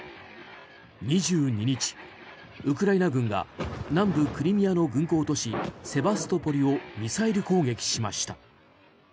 ２２日、ウクライナ軍が南部クリミアの軍港都市セバストポリをミサイル攻撃しました。